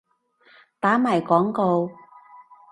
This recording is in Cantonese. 打埋廣告？